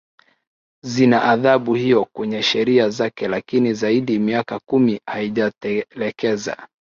zina adhabu hiyo kwenye sheria zake lakini kwa zaidi miaka kumi haijatekeleza